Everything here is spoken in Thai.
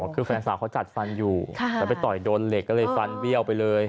คือแฟนสาวเขาจัดฟันอยู่แล้วไปต่อยโดนเหล็กก็เลยฟันเบี้ยวไปเลย